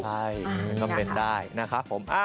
ใช่ก็เป็นได้นะครับผม